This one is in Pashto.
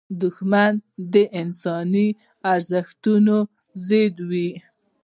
دښمن د انساني ارزښتونو ضد وي